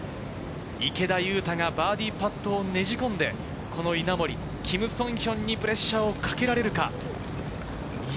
池田勇太がバーディーパットをねじ込んで稲森、キム・ソンヒョンにプレッシャーをかけられるか。